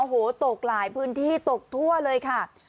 โอ้โหตกหลายพื้นที่ตกทั่วเลยค่ะ